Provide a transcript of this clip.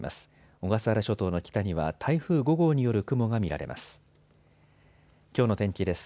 小笠原諸島の北には台風５号による雲が見られます。